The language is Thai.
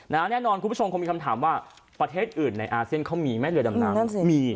แน่นอนคุณผู้ชมคงมีคำถามว่าประเทศอื่นในอาเซียนเขามีไหมเรือดำน้ำ